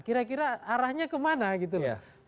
kira kira arahnya kemana gitu loh